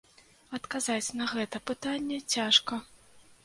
Адказаць на гэта пытанне цяжка.